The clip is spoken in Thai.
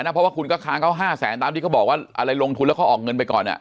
เพราะว่าคุณก็ค้างเขา๕แสนตามที่เขาบอกว่าอะไรลงทุนแล้วเขาออกเงินไปก่อน